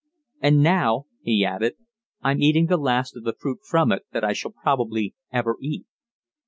And now," he added, "I'm eating the last of the fruit from it that I shall probably ever eat."